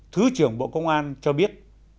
thứ trưởng bộ công an cho biết